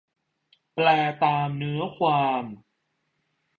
แปลตามเนื้อความ